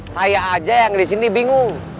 saya aja yang disini bingung